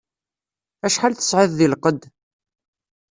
Acḥal tesɛiḍ di lqedd?